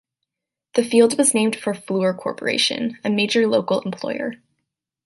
The field was named for Fluor Corporation, a major local employer.